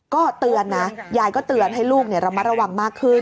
ก็เตือนนะยายก็เตือนให้ลูกระมัดระวังมากขึ้น